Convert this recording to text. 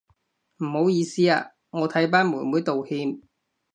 唔好意思啊，我替班妹妹道歉